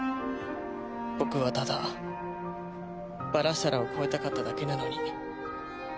僕はただバラシタラを超えたかっただけなのに。